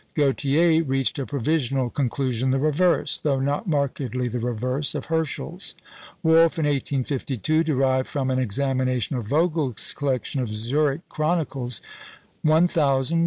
Gautier reached a provisional conclusion the reverse though not markedly the reverse of Herschel's. Wolf, in 1852, derived from an examination of Vogel's collection of Zürich Chronicles (1000 1800 A.D.)